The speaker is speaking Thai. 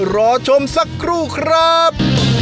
รอชมสักครู่ครับ